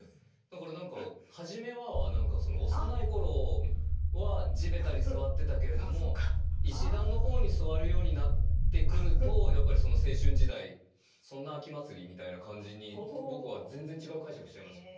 だから何か「はじめは」は幼い頃は地べたに座ってたけれども石段の方に座るようになってくるとやっぱり青春時代そんな秋祭りみたいな感じに僕は全然違う解釈しちゃいました。